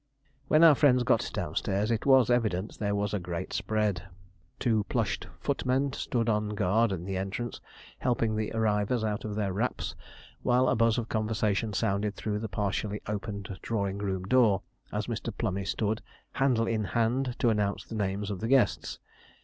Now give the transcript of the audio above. When our friends got downstairs it was evident there was a great spread. Two red plushed footmen stood on guard in the entrance, helping the arrivers out of their wraps, while a buzz of conversation sounded through the partially opened drawing room door, as Mr. Plummey stood, handle in hand, to announce the names of the guests.